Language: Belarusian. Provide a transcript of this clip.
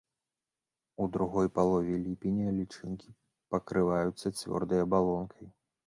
У другой палове ліпеня лічынкі пакрываюцца цвёрдай абалонкай.